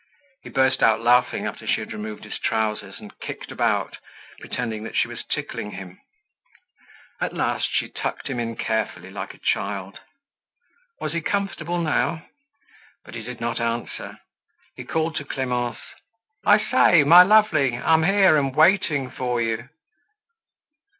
He burst out laughing after she had removed his trousers and kicked about, pretending that she was tickling him. At last she tucked him in carefully like a child. Was he comfortable now? But he did not answer; he called to Clemence: "I say, my lovely, I'm here, and waiting for you!"